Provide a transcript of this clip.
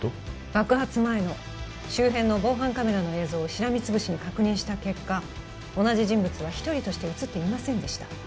爆発前の周辺の防犯カメラの映像をしらみつぶしに確認した結果同じ人物は一人として写っていませんでした